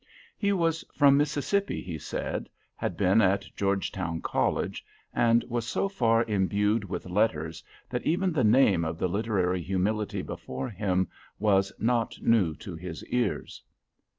He was from Mississippi, he said, had been at Georgetown College, and was so far imbued with letters that even the name of the literary humility before him was not new to his ears.